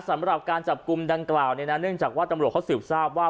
สำหรับการจับกลุ่มดังกล่าวเนี่ยนะเนื่องจากว่าตำรวจเขาสืบทราบว่า